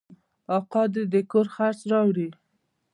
اکا دې د کور خرڅ راوړي.